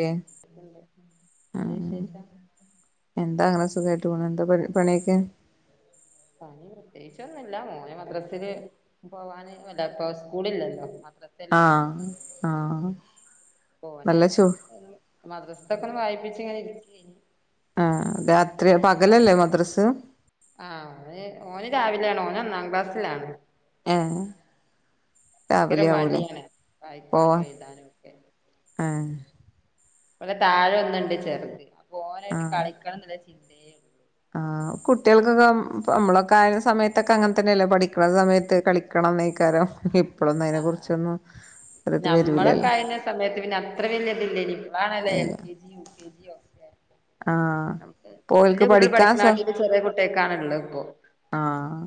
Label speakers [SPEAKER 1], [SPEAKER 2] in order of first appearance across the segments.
[SPEAKER 1] Yes
[SPEAKER 2] എന്ത് വിശേഷം
[SPEAKER 1] എന്താ അങ്ങനെ സുഖമായിട്ട് പോണു എന്താ പണിയൊക്കെ
[SPEAKER 2] പണി പ്രത്യേകിച്ചൊന്നുമില്ല മോന് മദ്രസല് പോവാന് വല്ല ഇപ്പ സ്കൂളില്ലല്ലോ മദ്ര
[SPEAKER 1] ആഹ ആഹ
[SPEAKER 2] ഓനെ
[SPEAKER 1] നല്ല ചോ
[SPEAKER 2] മദ്രസത്തൊക്കെ ഒന്ന് വായിപ്പിച്ച് ഇങ്ങനെ ഇരിക്ക
[SPEAKER 1] ആഹ് രാത്രി പകലല്ലേ മദ്രസ
[SPEAKER 2] ആഹ് ഓന് രാവിലെയാണ് ഓന് ഒന്നാം ക്ലാസ്സിലാണ്
[SPEAKER 1] ഏഹ്
[SPEAKER 2] ഭയങ്കര
[SPEAKER 1] രാവിലെ ആവൂലേ
[SPEAKER 2] മടിയാണ് വായിക്കാനും
[SPEAKER 1] പോവാൻ
[SPEAKER 2] എഴുതാനും ഒക്കെ
[SPEAKER 1] ഏഹ്
[SPEAKER 2] ഓള താഴെ ഒന്നുണ്ട് ചെറുത് ഓനായിട്ട്
[SPEAKER 1] ആഹ്
[SPEAKER 2] കളിക്കണം എന്നുള്ള ചിന്തയേ ഉള്ളൂ
[SPEAKER 1] ആഹ് കുട്ടികൾക്കൊക്കെ ഇപ്പ നമ്മളൊക്കെ ആ ഒരു സമയത്തൊക്കെ അങ്ങനെ തന്നെയല്ലോ പഠിക്കണ സമയത്ത് കളിക്കണന്നെകാരൃം അതിനെ
[SPEAKER 2] ആഹ്
[SPEAKER 1] കുറിച്ചൊന്നും വരൂലല്ലോ
[SPEAKER 2] നമ്മളൊക്കെ [unintelligible] സമയത്ത് പിന്നെ അത്ര വലിയതില്ലല്ലേനി ഇപ്പോളാണല്ലോ എൽ
[SPEAKER 1] ഇല്ല
[SPEAKER 2] കെ ജിയും [unintelligible]
[SPEAKER 1] ആഹ് ഓൽക്ക് പഠിക്കാ സ
[SPEAKER 2] പഠിക്കണാട്ടിലും ചെറിയ കുട്ടികൾക്കാണ് ഉള്ളത് ഇപ്പോ
[SPEAKER 1] ആഹ്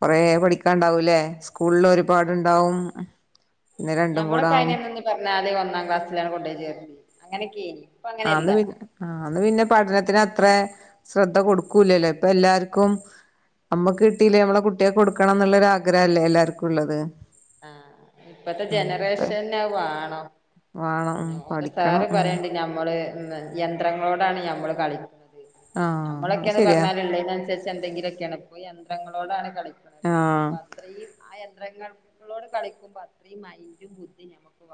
[SPEAKER 1] കുറേ പഠിക്കാനുണ്ടാവൂല്ലേ സ്കൂളിൽ
[SPEAKER 2] ആഹ്
[SPEAKER 1] ഒരുപാടുണ്ടാവും പിന്നെ രണ്ടും കൂടെ
[SPEAKER 2] ഞമ്മളൊക്കെ
[SPEAKER 1] ആവുമ്പോ
[SPEAKER 2] [unintelligible] പറഞ്ഞാല് ഒന്നാം ക്ലാസിലാണ് കൊണ്ടു പോയി ചേർത്തത് അങ്ങനെയൊക്കെ
[SPEAKER 1] [unintelligible] ആഹ് അന്ന് പിന്നെ പഠനത്തിന് അത്ര ശ്രദ്ധ കൊടുക്കൂല്ലല്ലോ ഇപ്പൊ എല്ലാർക്കും നമ്മുക്ക് കിട്ടിയില്ലേ നമ്മള കുട്ടികൾക്ക് കൊടുക്കണം എന്നുള്ളരു ആഗ്രഹല്ലേ എല്ലാർക്കും ഉള്ളത്
[SPEAKER 2] ആഹ് ഇപ്പഴത്തെ
[SPEAKER 1] ഉം അതെ
[SPEAKER 2] ജനറേഷൻ വേണം
[SPEAKER 1] വേണം ഉം
[SPEAKER 2] ഓന്റെ
[SPEAKER 1] പഠിക്കണം
[SPEAKER 2] സാറ്
[SPEAKER 1] ഉം
[SPEAKER 2] പറയണ്ട് ഞമ്മള് യന്ത്രങ്ങളോടാണ് നമ്മള് കളിക്കുന്നത്
[SPEAKER 1] ആഹ്
[SPEAKER 2] നമ്മളൊക്കെ അത്
[SPEAKER 1] ശരിയാ
[SPEAKER 2] പറഞ്ഞാല് ഉള്ളെന് അനുസരിച്ച് എന്തെങ്കിലും ഒക്കെയാണ് ഇപ്പോ യന്ത്രങ്ങളോടാണ് കളി
[SPEAKER 1] ആഹ്
[SPEAKER 2] അപ്പൊ അത്രയും ആ യന്ത്രങ്ങൾ നമ്മളോട് കളിക്കുമ്പോ അത്രയും മൈന്റും ബുദ്ധിയും നമ്മുക്ക്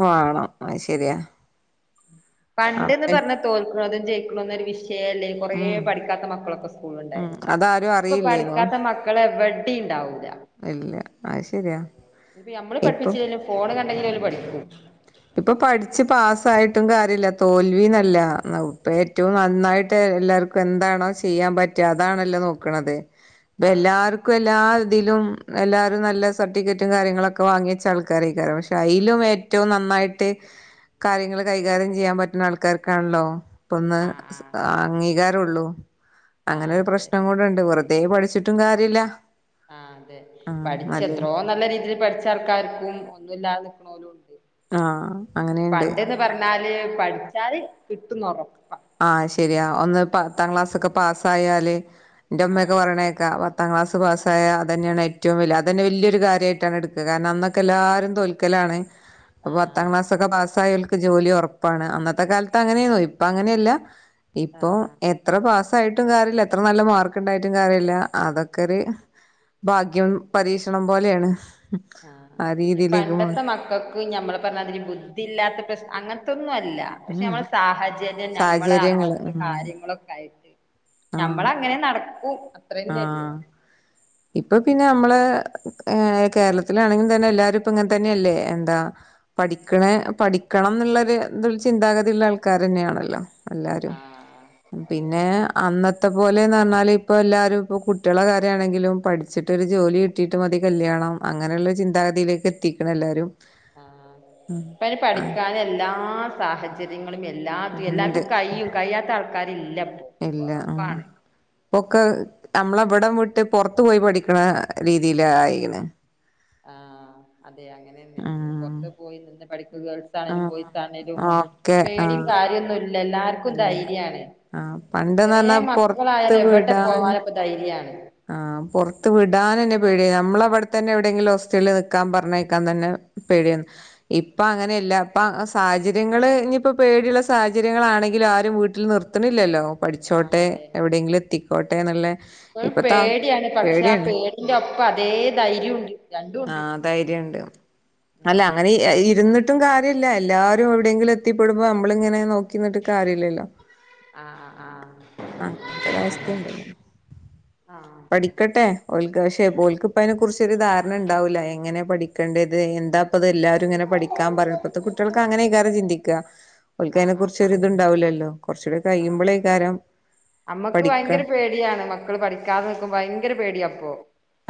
[SPEAKER 1] വേണം അതുശരിയാ
[SPEAKER 2] പണ്ടെന്ന് പറഞ്ഞാ തോൽക്കണതും ജയിക്കണതു ഒരു വിഷയല്ലേ കുറേ
[SPEAKER 1] ഉം
[SPEAKER 2] പഠിക്കാത്ത മക്കളൊക്കെ
[SPEAKER 1] ഉം
[SPEAKER 2] സ്കൂളുണ്ടായിരുന്നു
[SPEAKER 1] അതാരും
[SPEAKER 2] ഇപ്പൊ
[SPEAKER 1] അറിയില്ലേനു
[SPEAKER 2] പഠിക്കാത്ത മക്കൾ മക്കള് എവിടേയും ഉണ്ടാവൂല്ല
[SPEAKER 1] ഇല്ല അത് ശരിയാ ഇപ്പം
[SPEAKER 2] ഫോൺ കണ്ടെങ്കിലെ അവര് പഠിക്കു
[SPEAKER 1] ഇപ്പൊ പഠിച്ച് പാസ്സായിട്ടും കാര്യല്ല തോൽവിന്നല്ല ഏറ്റവും നന്നായിട്ട് എല്ലാർക്കും എന്താണോ ചെയ്യാൻ പറ്റുക അതാണല്ലോ നോക്കണത് ഇപ്പ
[SPEAKER 2] ആഹ്
[SPEAKER 1] എല്ലാർ- ക്കും എല്ലാ ഇതിലും എല്ലാരും നല്ല സർട്ടിഫിക്കറ്റും കാര്യങ്ങളൊക്കെ വാങ്ങിവെച്ച ആൾക്കാരൊക്കെയാണ് പക്ഷെ ഇതിലും ഏറ്റവും നന്നായിട്ട് കാര്യങ്ങൾ കൈകാര്യം ചെയ്യാൻ പറ്റുന്ന ആൾക്കാർക്കാണല്ലോ ഇപ്പം ഒന്ന്
[SPEAKER 2] ആഹ് ആഹ്
[SPEAKER 1] അംഗീകാരം ഉള്ളു
[SPEAKER 2] ആഹ്
[SPEAKER 1] അങ്ങനൊരു
[SPEAKER 2] അതെ
[SPEAKER 1] പ്രശ്നം കൂടെണ്ട് വെറുതെ പഠിച്ചിട്ടും കാര്യല്ല
[SPEAKER 2] ആഹ് അതെ പഠിച്ച എത്രോ നല്ല രീതിയിൽ പഠിച്ച ആൾക്കാർക്കും ഒന്നുമില്ലാതെ നിക്കണ ഒരു
[SPEAKER 1] ആഹ് അങ്ങനെയുണ്ട്
[SPEAKER 2] പറഞ്ഞാല് പഠിച്ചാല് കിട്ടുന്നു ഉറപ്പ
[SPEAKER 1] ആഹ് ശരിയാ ഒന്ന് പത്താം ക്ലാസ് ഒക്കെ പാസ് ആയാല് എന്റെമ്മയൊക്കെ
[SPEAKER 2] ആഹ്
[SPEAKER 1] പറയണ കേൾക്കാ പത്താം ക്ലാസ് പാസായ അതന്നെയാണ് ഏറ്റവും വലിയ അതു തന്നെ വലിയൊരു കാര്യമായിട്ടാണ് എടുക്കുക കാരണം അന്നൊക്കെ എല്ലാരും തോൽക്കലാണ് [inaudible] അപ്പൊ പത്താം
[SPEAKER 2] ആഹ്
[SPEAKER 1] ക്ലാസ്സൊക്കെ പാസ്സായവൾക്ക് ജോലി ഉറപ്പാണ് അന്നത്തെ കാലത്ത് അങ്ങനെയന്നോ ഇപ്പൊ അങ്ങനെയില്ല ഇപ്പൊ
[SPEAKER 2] ആഹ്
[SPEAKER 1] എത്ര പാസ് ആയിട്ടും കാര്യല്ല എത്ര നല്ല മാർക്ക് ഇണ്ടായിട്ടും കാര്യമില്ല അതൊക്കെ ഒരു ഭാഗ്യം പരീക്ഷണം പോലെയാണ് ആ
[SPEAKER 2] ആഹ്
[SPEAKER 1] രീതിയിലേക്ക് മാറി
[SPEAKER 2] പണ്ടത്തെ മക്കൾക്ക് ഈ ഞമ്മള് പറഞ്ഞതിന് ബുദ്ധിയില്ലാത്ത പ്രശ് അങ്ങനത്തൊന്നും അല്ല പക്ഷെ
[SPEAKER 1] ഉം
[SPEAKER 2] നമ്മളെ സാഹചര്യം നമ്മള
[SPEAKER 1] സാഹചര്യങ്ങള്
[SPEAKER 2] അങ്ങത്തെ
[SPEAKER 1] ഉം
[SPEAKER 2] കാര്യങ്ങളൊക്കെ ആയിട്ട് നമ്മള
[SPEAKER 1] ആഹ്
[SPEAKER 2] അങ്ങനെ നടക്കും അത്രന്നെ ഉള്ളൂ
[SPEAKER 1] ആഹ് ഇപ്പൊ പിന്നെ നമ്മള് ഏഹ് കേരളത്തിലാണെങ്കിൽ തന്നെ എല്ലാരും ഇപ്പ ഇങ്ങനെ തന്നെയല്ലേ എന്താ പഠിക്കണെ പഠിക്കണം ന്നുള്ളരു ഇത് ചിന്താഗതിയുള്ള ആൾക്കാരെന്നെയാണല്ലോ എല്ലാരും
[SPEAKER 2] ആഹ് അതെ
[SPEAKER 1] പിന്നെ അന്നത്തെ പോലെന്ന് പറഞ്ഞാല് ഇപ്പ എല്ലാ രും കുട്ടിയേളെ കാര്യാണെങ്കിലും പഠിച്ചിട്ട് ഒരു ജോലി കിട്ടിട്ട് മതി കല്യാണം അങ്ങനെള്ള ചിന്താഗതിയിലേക്ക് എ ത്തിക്ക്‌ണെല്ലാരും
[SPEAKER 2] ആഹ് ഇപ്പയ്ന് പഠിക്കാൻ എല്ലാ സാഹ ചര്യങ്ങളും എല്ലാറ്റും
[SPEAKER 1] ഉണ്ട്
[SPEAKER 2] എല്ലാർക്കും കയും കയ്യാത്ത ആൾക്കാരില്ലപ്പോ കൊറവാണ്
[SPEAKER 1] ഒക്കെ നമ്മളെവിടം വിട്ട് പുറത്ത് പോയി പഠിക്കണ രീതിയില് ആയിണ്
[SPEAKER 2] ആഹ് അതെ അങ്ങനെന്നെ പൊറത്തു
[SPEAKER 1] ഉം
[SPEAKER 2] പോയി നിന്ന് പഠിക്കുക ഗേൾസാണേലും
[SPEAKER 1] ആഹ്
[SPEAKER 2] ബോയ്സാണേലും
[SPEAKER 1] ഓക്കെ
[SPEAKER 2] പേടിം
[SPEAKER 1] ആഹ്
[SPEAKER 2] കാര്യൊന്നുല്ല എല്ലാർക്കും
[SPEAKER 1] ഇല്ല
[SPEAKER 2] ധൈര്യാണ്
[SPEAKER 1] ആഹ് പണ്ട്ന്ന്
[SPEAKER 2] ചെറിയ
[SPEAKER 1] പറഞ്ഞാ പൊറത്ത്
[SPEAKER 2] മക്കളായാലും എവിടെ
[SPEAKER 1] വിടാന്
[SPEAKER 2] പോവാനും ഇപ്പോ ധൈര്യാണ്
[SPEAKER 1] ആഹ് പുറത്ത് വിടാൻ തന്നെ പേടിയ നമ്മള അവിടെ തന്നെ എവിടെയങ്കിലും ഹോസ്റ്റലിൽ നിൽക്കാൻ പറഞ്ഞേക്കാൻ തന്നെ പേടിയാണ് ഇപ്പം അങ്ങനെയല്ല അപ്പം സാഹചര്യങ്ങൾ ഇനിയിപ്പോൾ പേടിയുള്ള സാഹചര്യങ്ങളാണെങ്കിലും ആരും വീട്ടിൽ നിർ ത്ത്ണില്ലല്ലോ
[SPEAKER 2] ആ
[SPEAKER 1] പഠിച്ചോട്ടെ എവിടെയെങ്കിലും എത്തിക്കോട്ടെ ന്നുള്ള
[SPEAKER 2] ഓൻ പേടിയാണ് പക്ഷെ ആ പേടിന്റെ ഒപ്പം അതേ ധൈര്യുണ്ട് രണ്ടും ഉണ്ട്
[SPEAKER 1] ആഹ് ധൈര്യണ്ട് അല്ല
[SPEAKER 2] ഉം
[SPEAKER 1] അങ്ങനെ ഏഹ് ഇരിന്നിട്ടും കാര്യല്ല എല്ലാരും എവിടെയെങ്കിലും എത്തിപ്പെടുമ്പോ നമ്മള ഇങ്ങനെ നോ ക്കി നിന്നിട്ട് കാര്യല്ലല്ലോ
[SPEAKER 2] ആ ആ അതെ
[SPEAKER 1] അങ്ങനത്തൊരു അവസ്ഥയുണ്ടല്ലോ
[SPEAKER 2] ആ
[SPEAKER 1] പഠിക്കട്ടെ ഓൽക്ക് പക്ഷെ ഓൽക്ക്‌ ഇപ്പ അയ്നെ കുറിച്ചൊരു ധാരണ ഉണ്ടാവൂല എങ്ങനെ പഠി ക്കേണ്ടത് എന്താപ്പത് എല്ലാരും ഇങ്ങനെ പഠിക്കാൻ പറയ്ണത് ഇപ്പത്തെ കുട്ടികൾക്ക് അങ്ങനെക്കാരം ചിന്തിക്കാ
[SPEAKER 2] ആ
[SPEAKER 1] ഓൽക്കയ്നെ
[SPEAKER 2] ആ
[SPEAKER 1] കുറിച്ച്
[SPEAKER 2] ആ ആ
[SPEAKER 1] ഒരിതുണ്ടാവില്ലല്ലോ കുറച്ചൂടി
[SPEAKER 2] ആ
[SPEAKER 1] കഴിയുമ്പോളെക്കാരം പഠിക്കാ
[SPEAKER 2] യാണ് മക്കൾ പഠിക്കാതെ നിക്കുമ്പോ ഭയങ്കര പേടിയാപ്പൊ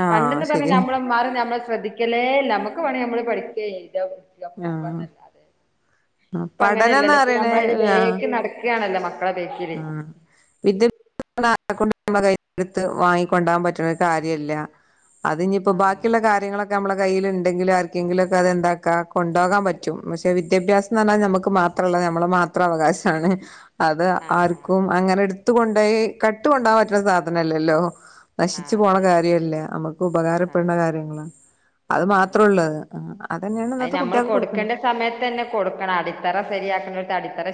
[SPEAKER 1] ആഹ്
[SPEAKER 2] പണ്ടെന്ന് പറഞ്ഞ
[SPEAKER 1] ശരിയാ
[SPEAKER 2] നമ്മളെ ഉമ്മാര് നമ്മളെ ശ്രദ്ധി ക്കലേ ഇല്ല നമ്മക്ക് വേണങ്കി നമ്മള് പഠിക്കുക എയ്താ
[SPEAKER 1] ആഹ് ആഹ് പഠനംന്ന് പറയണേ ആഹ്
[SPEAKER 2] നടക്കാണല്ലോ മക്കളെ ദേഷ്
[SPEAKER 1] ആഹ് വിദ്യാഭ്യാസം എന്നാ ആരെ കൊണ്ടും നമ്മ കയ്യ്ന്ന് എടുത്ത് വാങ്ങിക്കൊണ്ടാകാൻ പറ്റുന്ന ഒരു കാര്യല്ല അതിഞ്ഞിപ്പോ
[SPEAKER 2] ആ
[SPEAKER 1] ബാ ക്കിള്ള കാര്യങ്ങളൊക്കെ നമ്മുടെ കയ്യില്ണ്ടെങ്കില് ആർക്കെങ്കിലൊക്കെ അതെന്താക്ക കൊണ്ടോകാൻ പറ്റും പക്ഷെ വിദ്യാഭ്യാസ ന്ന് റഞ്ഞാൽ നമ്മക്ക് മാത്രള്ള നമ്മളെ മാത്രം അവകാശാണ് അത്
[SPEAKER 2] ആ
[SPEAKER 1] ആർക്കും അങ്ങനെ എടുത്തു കൊണ്ടയി കട്ട് കൊണ്ടാകൻ പറ്റുന്ന സാധനംല്ലല്ലോ
[SPEAKER 2] ആ
[SPEAKER 1] നശിച്ചു പോണ
[SPEAKER 2] അതെ
[SPEAKER 1] കാര്യല്ലേ നമ്മുക്ക്
[SPEAKER 2] ആ
[SPEAKER 1] ഉപകാരപ്പെട്ണ കാര്യങ്ങളാ അത്
[SPEAKER 2] ആ
[SPEAKER 1] മാത്രള്ളത് ആഹ് അതന്നെയാണ്
[SPEAKER 2] അത്
[SPEAKER 1] ഇന്നത്തെ
[SPEAKER 2] നമ്മൾ
[SPEAKER 1] കുട്ടികൾക്ക് കൊടുക്കണേ
[SPEAKER 2] കൊടുക്കേണ്ട സമയത്തന്നെ കൊടുക്കണം അടിത്തറ ശരിയാക്കണ്ടോ ത്ത് അടിത്തറ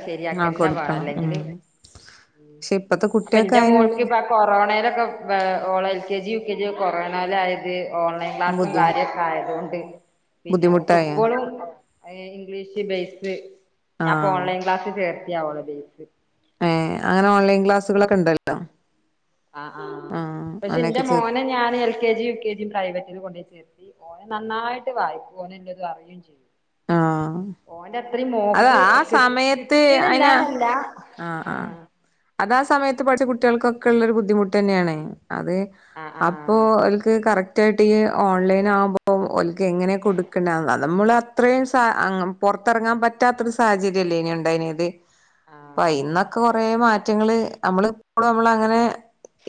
[SPEAKER 1] ആഹ്
[SPEAKER 2] ശരിയാക്കന്നെ വേണം
[SPEAKER 1] കൊടുക്കണം
[SPEAKER 2] അല്ലെങ്കിൽ
[SPEAKER 1] ഉം
[SPEAKER 2] ഉം
[SPEAKER 1] പക്ഷെ ഇപ്പത്തെ
[SPEAKER 2] അപ്പൊ
[SPEAKER 1] കുട്ടികൾക്ക്
[SPEAKER 2] എന്റെ മോൾക്ക്
[SPEAKER 1] അതിനുള്ളൊരു
[SPEAKER 2] കൊറോണയിലൊക്കെ ഏഹ് ഓള L K G U K G കൊറോണായിലായത് ഓൺലൈൻ ക്ലാസ്സും
[SPEAKER 1] ബുദ്ധിമുട്ട്
[SPEAKER 2] കാര്യൊക്കെ ആയതോണ്ട് പിന്നെ ഓ
[SPEAKER 1] ബുദ്ധിമുട്ടായ
[SPEAKER 2] ഇംഗ്ലീഷ് ബേസ് ഞാൻപ്പൊ
[SPEAKER 1] ആഹ്
[SPEAKER 2] ഓൺലൈൻ ക്ലാസ് ചേർത്തിയാ ഓളെ ബേസ്
[SPEAKER 1] ഏഹ് അങ്ങനെ ഓൺലൈൻ ക്ലാസുകളൊക്ക ഇണ്ടല്ലോ
[SPEAKER 2] ആഹ് ആഹ് പക്ഷെ ന്റെ
[SPEAKER 1] അങ്ങനെയൊക്കെ ചേർ
[SPEAKER 2] മോനെ ഞാൻ L - K G U K ജിയും പ്രൈവറ്റിൽ കൊണ്ടേ ചേർത്തി ഓന് നന്നായിട്ട് വായിക്കും ഓനെ എല്ലതും അറിയും ചെയ്യും
[SPEAKER 1] ആഹ്
[SPEAKER 2] ഓന്റെ അത്രയും
[SPEAKER 1] അത്
[SPEAKER 2] മോക്ക്
[SPEAKER 1] ആ
[SPEAKER 2] കി
[SPEAKER 1] സമയത്ത് അയിന്
[SPEAKER 2] കിട്ടണില്ലാന്നല്ല ആഹ്
[SPEAKER 1] അതാ സമയത്ത് പഠിച്ച കുട്ടികൾക്കൊക്കെള്ളരു ബുദ്ധിമുട്ട്ന്നെയാണ് അത്
[SPEAKER 2] ആഹ് ആഹ്
[SPEAKER 1] അപ്പോ ഓൽക്ക് കറക്റ്റായിട്ട് ഈ ഓൺലൈൻ ആകുമ്പോൾ ഓൽക്ക് എങ്ങനെ കൊടുക്ക്ണ് അത് നമ്മള് അത്രയും സ അ പൊറത്തിറങ്ങാൻ പറ്റാത്തൊരു സാഹചര്യല്ലേയ് നേ ഉണ്ടായിന്നത് ഇപ്പോ
[SPEAKER 2] ആഹ്
[SPEAKER 1] അയിന്നൊക്കെ കൊറ മാറ്റങ്ങള് നമ്മള് ഇപ്പളും നമ്മളങ്ങനെ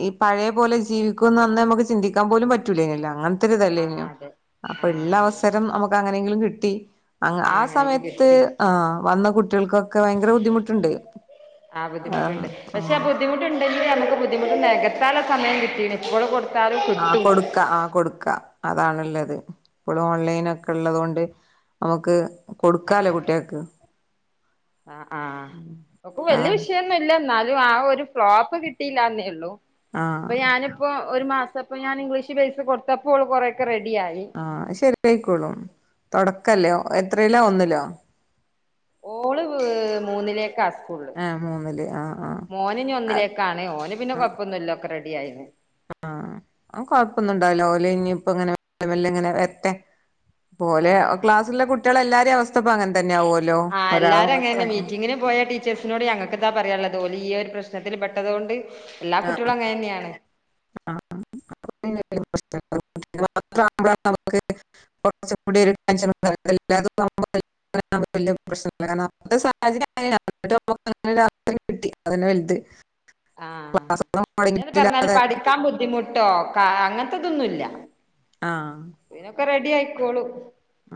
[SPEAKER 1] ഈ പഴേ പോലെ ജീവിക്കുന്ന് അന്ന് നമക്ക് ചിന്തിക്കാൻ പോലും പറ്റൂലെയിന്നല്ലോ അങ്ങ ഒത്തിരി ഇതല്ലയ്ന്നേ
[SPEAKER 2] ആഹ് അതെ
[SPEAKER 1] അപ്പൊ ഉള്ള
[SPEAKER 2] ആഹ്
[SPEAKER 1] അവസരം നമുക്ക് അങ്ങനെങ്കിലും കിട്ടി അങ്ങ
[SPEAKER 2] ആഹ്
[SPEAKER 1] ആ
[SPEAKER 2] അങ്ങനെയൊക്കെ
[SPEAKER 1] സമയത്ത്
[SPEAKER 2] കിട്ടി
[SPEAKER 1] ആ വന്ന കുട്ടികൾക്കൊക്കെ ഭയങ്കരം ബുദ്ധിമുട്ടുണ്ട്
[SPEAKER 2] ആ ബുദ്ധിമുട്ടുണ്ട് പക്ഷെ ആ ബുദ്ധിമുട്ട്ണ്ടെങ്കിൽ നമുക്ക് ബുദ്ധിമുട്ടു നെകത്താൻ ഉള്ള സമയം കിട്ടീക്ണ് ഇവിടെ കൊടുത്താലും കിട്ടും
[SPEAKER 1] ക്ക ആ കൊടുക്ക അതാണ് ഇള്ളത് ഇപ്പോൾ ഓൺലൈനൊക്കെ ഇള്ളതോണ്ട് നമുക്ക് കൊടുക്കാല്ലേ കുട്ടിയാക്ക്
[SPEAKER 2] ആഹ് ആഹ് ഓക്ക് വല്ല്യ
[SPEAKER 1] അതാണ്
[SPEAKER 2] വിഷയ ന്നും ഇല്ല എന്നാലും ആ ഒരു ഫ്ലോപ്പ് കിട്ടിയില്ലന്നേ ഒള്ളൂ അപ്പൊ
[SPEAKER 1] ആഹ്
[SPEAKER 2] ഞാന് ഇപ്പോ ഒരു മാസം ഇപ്പോ ഞാൻ ഇംഗ്ലീഷ് ബേസ് കൊടുത്തപ്പോ ഓള് കുറേയൊക്കെ റെഡിയായി
[SPEAKER 1] ആഹ് ശരിയായിക്കോളും തൊടക്കല്ലേ എത്രയില്ലാ ഒന്നിലോ
[SPEAKER 2] ഓള് ഹ് മൂന്നിലേക്കാ കൂളില്
[SPEAKER 1] ഏഹ് മൂന്നില് ആഹ് ആഹ്
[SPEAKER 2] മോന് ഇനി
[SPEAKER 1] അത്
[SPEAKER 2] ഒന്നിലേക്കാണ് ഓന് പിന്നെ
[SPEAKER 1] ആഹ്
[SPEAKER 2] കൊഴപ്പൊന്നുല്ല ഒക്കെ റെഡി ആയിണ്
[SPEAKER 1] ആഹ് ഓൻ കൊഴപ്പൊന്നും ഇണ്ടാവൂല ഓല് ഇഞ്ഞിപ്പങ്ങനെ മെല്ല മെല്ലെങ്ങനെ വെരട്ടെ ഓലെ
[SPEAKER 2] ആഹ് ആഹ് ആഹ്
[SPEAKER 1] ക്ലാസിലുള്ള കുട്ടിയാളെ എല്ലാരേ അവസ്ഥപ്പോ അങ്ങനെ തന്നെ ആവുല്ലോ
[SPEAKER 2] ആഹ്
[SPEAKER 1] ഒരാളെ
[SPEAKER 2] എല്ലാരും അങ്ങനെന്നെ
[SPEAKER 1] മാത്രം
[SPEAKER 2] മീറ്റിങ്ങിന് പോയ ടീച്ചേഴ്സിനോട് ഞങ്ങൾക്കെന്താ പറയാള്ളത് ഓല് ഈ ഒരു പ്രശ്നത്തില് പെട്ടതോണ്ട് എല്ലാ
[SPEAKER 1] ആഹ്
[SPEAKER 2] കുട്ടികളും അങ്ങനെന്നെയാണ്
[SPEAKER 1] [inaudible] [inaudible] [unintelligible] സാഹചര്യം കിട്ടി അതന്നെ വലുത്
[SPEAKER 2] ആഹ്
[SPEAKER 1] ക്ലാസ് ഒന്നും
[SPEAKER 2] പിന്നെന്ന് പറഞ്ഞാല്
[SPEAKER 1] മുടങ്ങിയിട്ടില്ലാതെ
[SPEAKER 2] പഠിക്കാൻ ബുദ്ധിമുട്ടോ കാ അങ്ങനത്തെതൊന്നും ഇല്ല
[SPEAKER 1] ആഹ്
[SPEAKER 2] പിന്നൊക്കെ റെഡി ആയിക്കോളും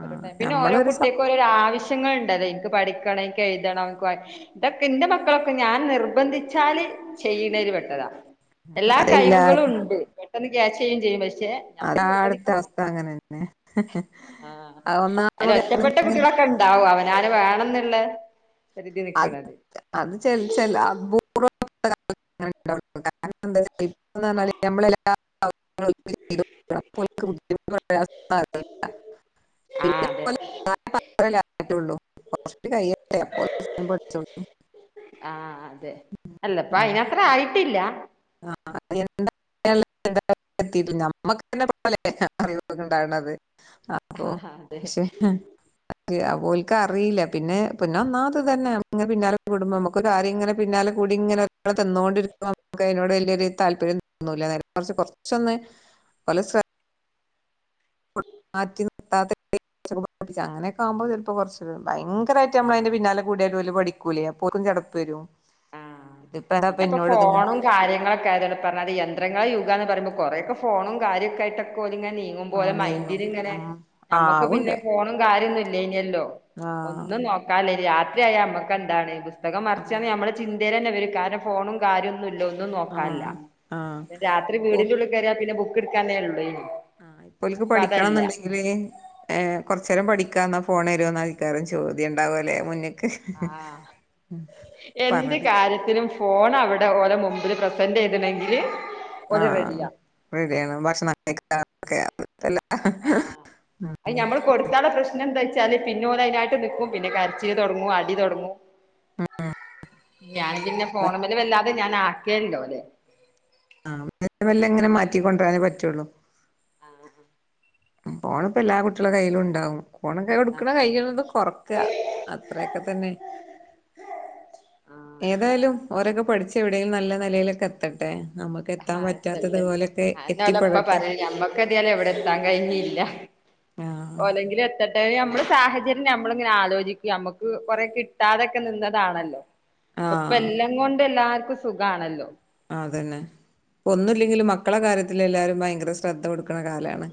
[SPEAKER 2] ഒരെ ടൈ പിന്നെ ഓരോ
[SPEAKER 1] നമ്മളൊരു സം-
[SPEAKER 2] കുട്ടിയാക്കും ഓരാവശ്യ ങ്ങൾ ഉണ്ടല്ലേ ഇനിക്ക് പഠിക്കണം ഇന്ക്ക് എഴുതണം ഇൻക്ക് വാ ഇതൊക്കെ ഇന്റെ മക്കളൊക്കെ ഞാൻ നിർബന്ധിച്ചാല് ചെയ്യണേല് പെട്ടതാ എല്ലാ
[SPEAKER 1] അതെല്ലാ
[SPEAKER 2] കഴിവ്കളും ഇണ്ട് പെട്ടെന്ന് ക്യാച്ചെയ്യും ചെയ്യും പക്ഷേ
[SPEAKER 1] അതാടുത്ത അവസ്ഥ അങ്ങനെന്നെ അത് ഒന്നാമത്
[SPEAKER 2] ണ്ട
[SPEAKER 1] ഇങ്ങനെ
[SPEAKER 2] കുട്ടികളൊക്കെ ഇണ്ടാവും അവനാന് വേണം എന്ന് ഉള്ളേ
[SPEAKER 1] അത് അത് ചെൽ ചെൽ അബു [unintelligible] കാരണം എന്താന്ന് വെച്ച് കഴിഞാല് നമ്മളെല [unintelligible]
[SPEAKER 2] ആഹ് അതെ
[SPEAKER 1] [unintelligible] കുറച്ചൂടെ കഴിയട്ടെ സ്വയം പഠിച്ചോളൂ
[SPEAKER 2] ആ അതെ അല്ല ഇപ്പം
[SPEAKER 1] ഉം.
[SPEAKER 2] അയിനാത്രം ആയിട്ടില്ല.
[SPEAKER 1] [unintelligible] ആ ഞമ്മക്കന്നെ [unintelligible] ഉണ്ടാണത് അപ്പൊ
[SPEAKER 2] ആഹ് അതെ
[SPEAKER 1] പക്ഷെ ഓലക്ക് അറില്ല പിന്നെ പിന്നെ ഒന്നാമത് ഇത് തന്നെ ഇ പിന്നാലെ കുടുമ്പോം നമുക്ക ആ ഇങ്ങനെ പിന്നാലെ കൂടി ഇങ്ങനെ അവിടെ തിന്നുകൊണ്ടിരിക അതിനോട് വലിയൊരു താല്പര്യം തോന്നുല നേരെ മറിച് കുറച്ചൊന്ന ഓലെ മാറ്റി ന [unintelligible] അങ്ങനെയൊക്കെ ആകുമ്പോൾ ചെർപ്പോ കുറച്ച് ഭയങ്കരയിട്ട് നമ്മളതിന്റെ
[SPEAKER 2] ആഹ്
[SPEAKER 1] പിന്നാലെ കൂടിയല് ഓല് പഠിക്കൂലേ അപ്പോൽക്കും ചടപ്പ് വരും. ഇതിപ്പ ഏതാപ്പ
[SPEAKER 2] പിന്നെ ഇപ്പോ
[SPEAKER 1] എന്നോട് ഇതിങ്ങ
[SPEAKER 2] ഫോണും കാര്യങ്ങളൊ [unintelligible] യന്ത്രങ്ങളെ യുഗന്ന് പറുമ്പോ കുറേക്കെ ഫോണും കാര്യക്കെയായിട്ടൊല്ങ്ങനെ നീ
[SPEAKER 1] ആ
[SPEAKER 2] ങ്ങുമ്പോലെ
[SPEAKER 1] നീങ്ങും
[SPEAKER 2] മൈൻ്റിലിങ്ങനെ
[SPEAKER 1] ആ
[SPEAKER 2] നമ്മക്ക് പിന്നെ
[SPEAKER 1] ആവുണ്ട്
[SPEAKER 2] ഫോണും കാര്യം ഒന്നും ല്ലെയ്ഞ്ഞല്ലൊ
[SPEAKER 1] ആ ഉണ്ട് ആഹ്
[SPEAKER 2] ഒന്നും നോക്കാൻ ല്ല രാത്രിയയാ നമ്മക്ക് എന്താണ് പുസ് തകം മറിച്ചാന്ന്
[SPEAKER 1] ആഹ്
[SPEAKER 2] നമ്മളെ ചിന്തയി ലെന്നെ വരും കാരണം ഫോണും കാര്യൊന്നും ഇല്ല ന്നും നോക്കാൻല്ല
[SPEAKER 1] ആഹ് ആഹ്
[SPEAKER 2] പ്പ രാത്രി
[SPEAKER 1] ഓ
[SPEAKER 2] വീടിന്റെ ുള്ളിൽ കയറ്യാ പിന്നെ ബുക്ക് എടുക്കന്നേ ഉള്ളൂ.
[SPEAKER 1] ആ ഇപ്പോൽക്ക് പഠിക്കണംന്നുണ്ട്. ഏകൊറച്ചേരം പഠിക്കാ ന്ന ഫോൺ തരോന്നയ്ക്കാരം ചോദ്യം ഉണ്ടാവോല്ലെ മുന്നക്ക്?
[SPEAKER 2] ആ എന്ത്
[SPEAKER 1] പറഞ്ഞിട്ട്
[SPEAKER 2] കാര്യത്തിലും ഫോൺ അവിടെ ഓലെ മുമ്പിൽ പ്രസൻറ് ചെയ്തിണെങ്കിൽ
[SPEAKER 1] ആ റെഡിയാണ്ഭക്ഷണം കഴിക്ക [unintelligible]
[SPEAKER 2] അ ഞമ്മള് കൊടുക്കാനുള്ള പ്രശ്നം എന്താ വെച്ചാല് പിന്നെോല് അതിനായിട്ട് നൽക്കും പിന്നെ കരച്ചീൽ തുടങ്ങും അടി തുടങ്ങും. ഞൻ പിന്നെ ഫോണുമ്മല് വല്ലാതെ ഞാൻ ആക്കല്ലോ ഓലെ.
[SPEAKER 1] ആ [unintelligible] മെല്ലങ്ങനെ മാറ്റി കൊണ്ടോവനേ പറ്റുള്ളൂ.
[SPEAKER 2] ആ
[SPEAKER 1] ഫോണ്പ്പ എല്ലാ കുട്ടികള കൈയിലും ഉണ്ടാവും ഫോണൊക്കെ കൊടുക്കണ
[SPEAKER 2] ആഹ്
[SPEAKER 1] കൈയ്ണതുംകൊറക്കാ. അത്രൊക്കെ തന്നെ.
[SPEAKER 2] ആഹ് അതെ
[SPEAKER 1] ഏതായാലും ഓരൊക്കെ പഠിച്ച് എവിടെലും നല്ല നിലയിലൊക്കെ എ ത്തട്ടെ നമുക്ക് എത്താൻ
[SPEAKER 2] ആഹ് എത്തട്ടെ
[SPEAKER 1] പറ്റാത്തതുപോലെയൊക്കെ
[SPEAKER 2] അതെന്നെ ഓലപ്പ
[SPEAKER 1] എത്തിപ്പെടട്ടെ.
[SPEAKER 2] പറയും [unintelligible] എവിടെ എത്താൻ കഴിഞ്ഞില്ല
[SPEAKER 1] ആഹ്
[SPEAKER 2] ഓലെങ്കിലും എത്തട്ടെ നമ്മള് സാഹച നമ്മളിങ്ങനെ ആലോചിക്ക നമ്മുക്ക് കൊറേ കിട്ടാതൊക്കെ നിന്നതാണല്ലോ. ഇപ്പ
[SPEAKER 1] ആഹ്
[SPEAKER 2] എല്ലാം കൊണ്ട് എല്ലാർക്കും സുഖാണല്ലോ.
[SPEAKER 1] ആ അതന്നെ ഒന്നുല്ലെങ്കിലും മക്കളെ കാര്യത്തില് എല്ലാരും ഭയങ്കര ശ്രദ്ധ കൊടുക്കണ കാലമാണ്.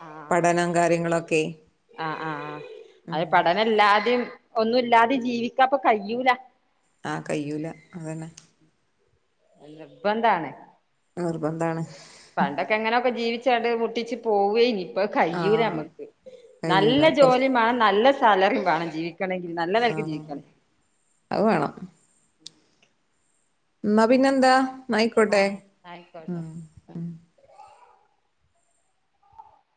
[SPEAKER 2] ആ ആ ആ അത്
[SPEAKER 1] ഉം
[SPEAKER 2] പഠനം ഇല്ലാതെയും ഒന്നു ല്ലാ തിം ജീവിക്കാപ്പൊ കയ്യൂല.
[SPEAKER 1] ആ കയ്യൂല അതന്നെ.
[SPEAKER 2] [unintelligible] ന്താണ്
[SPEAKER 1] നിർബന്ധാണ്.
[SPEAKER 2] പണ്ടൊക്കെങ്ങനെയൊക്കെ ജീവിച്ചാണ്ട് മുട്ടിച്ച് പോവയ്ഞ്ഞു. ഇപ്പൊ ത്കയ്യൂല
[SPEAKER 1] ആഹ്
[SPEAKER 2] നമ്മക്ക് നല്ല
[SPEAKER 1] കയ്യൂല കൊറച്ച്
[SPEAKER 2] ജോലിയും വേണം നല്ല സാലറിയും വേണം ജീവ ണെങ്കിൽ നല്ല നിലക്ക്
[SPEAKER 1] ആഹ്
[SPEAKER 2] ജീവിക്കണ
[SPEAKER 1] അത് വേണം. ന്നാ പിന്നെന്താ ന്നായിക്കോട്ടെ
[SPEAKER 2] ആഹ് ആയിക്കോട്ടെ
[SPEAKER 1] മ്